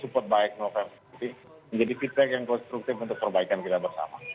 support baik menjadi feedback yang konstruktif untuk perbaikan kita bersama